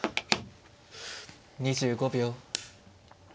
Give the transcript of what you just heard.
２５秒。